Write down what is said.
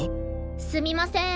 すみません。